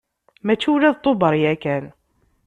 Mačči ula d Tubeṛ yakan.